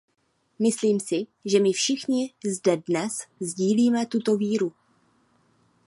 Myslím si, že my všichni zde dnes sdílíme tuto víru.